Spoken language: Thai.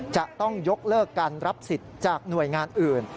จะต้องยกเลิกการรับสิทธิ์จากหน่วยงานอื่น